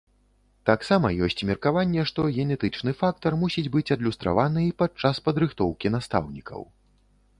Таксама ёсць меркаванне, што генетычны фактар мусіць быць адлюстраваны і падчас падрыхтоўкі настаўнікаў.